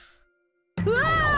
うわ！